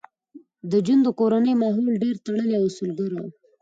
د جون د کورنۍ ماحول ډېر تړلی او اصولګرا و